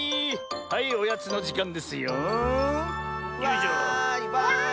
はいおやつのじかんですよ。わい！